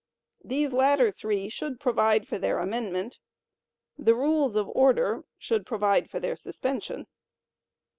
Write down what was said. These latter three should provide for their amendment. The Rules of Order should provide for their suspension.